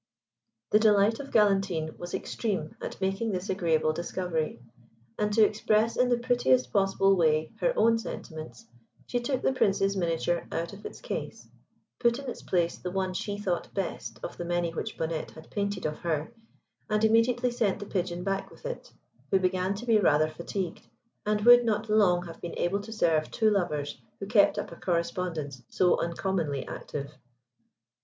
The delight of Galantine was extreme at making this agreeable discovery; and to express in the prettiest possible way her own sentiments, she took the Prince's miniature out of its case, put in its place the one she thought best of the many which Bonnette had painted of her, and immediately sent the Pigeon back with it, who began to be rather fatigued, and would not long have been able to serve two lovers who kept up a correspondence so uncommonly active.